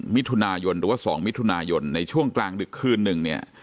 มิถุนายนหรือว่า๒มิถุนายนในช่วงกลางดึกคืนหนึ่งเนี่ย